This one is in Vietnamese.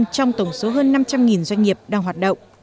trong tổng số hơn năm trăm linh doanh nghiệp đang hoạt động